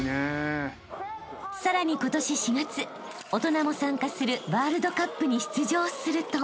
［さらに今年４月大人も参加するワールドカップに出場すると］